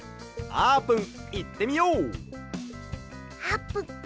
あーぷん！